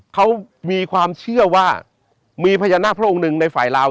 เขามีความเชื่อว่ามีพญานาคพระองค์หนึ่งในฝ่ายลาว